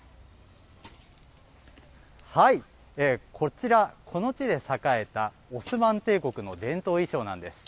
こちら、この地で栄えたオスマン帝国の伝統衣装なんです。